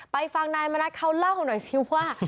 ฟังนายมณัฐเขาเล่าหน่อยสิว่า